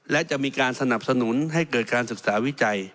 และจะมีการสนับสนุนให้เกิดการศึกษาวิจัย